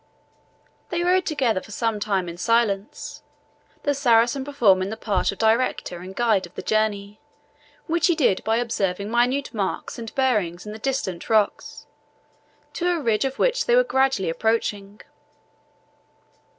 They rode together for some time in silence, the Saracen performing the part of director and guide of the journey, which he did by observing minute marks and bearings of the distant rocks, to a ridge of which they were gradually approaching.